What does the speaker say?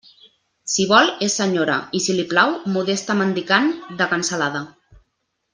Si vol, és senyora, i si li plau, modesta mendicant de cansalada.